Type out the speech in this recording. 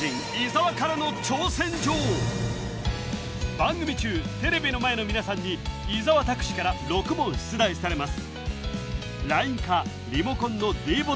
番組中テレビの前の皆さんに伊沢拓司から６問出題されます